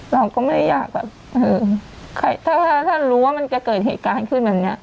ใช่ไหมคะเราก็ไม่ได้อยากแบบเออถ้าถ้ารู้ว่ามันจะเกิดเหตุการณ์ขึ้นแบบเนี้ย